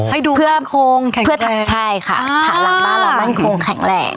อ๋อให้ดูมั่นโครงแข็งแรงเพื่อทักใช่ค่ะอ่าฐานหลังบ้านเรามั่นโครงแข็งแรง